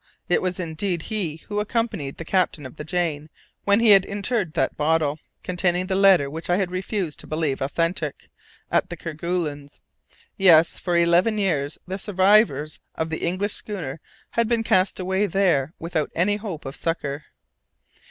It was indeed he who accompanied the captain of the Jane when he had interred that bottle, containing the letter which I had refused to believe authentic, at the Kerguelens. Yes! for eleven years, the survivors of the English schooner had been cast away there without any hope of succour.